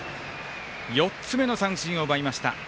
４つ目の三振を奪いました。